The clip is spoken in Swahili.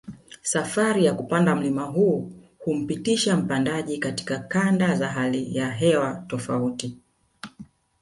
Safari ya kupanda mlima huu humpitisha mpandaji katika kanda za hali ya hewa tofauti